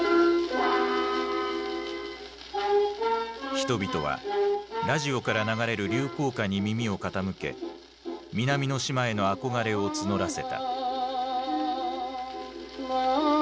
人々はラジオから流れる流行歌に耳を傾け南の島への憧れを募らせた。